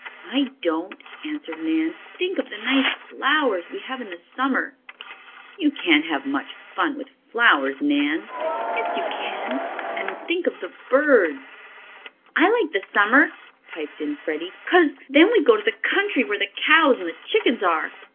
"I don't," answered Nan. "Think of the nice flowers we have in the summer." "You can't have much fun with flowers, Nan." "Yes, you can. And think of the birds " "I like the summer," piped in Freddie, "cos then we go to the country where the cows and the chickens are!"